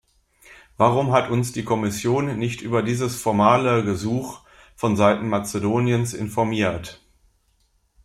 Warum hat uns die Kommission nicht über dieses formale Gesuch von seiten Mazedoniens informiert?